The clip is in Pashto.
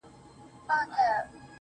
o زه به دا ټول كندهار تاته پرېږدم.